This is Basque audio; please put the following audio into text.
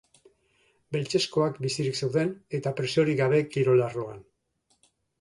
Beltzezkoak bizirik zeuden, eta presiorik gabe kirol arloan.